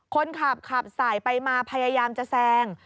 คนขับขับสายไปมาพยายามจะแซง